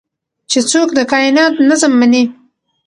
چې څوک د کائنات نظم مني